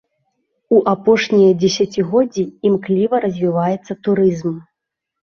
У апошнія дзесяцігоддзі імкліва развіваецца турызм.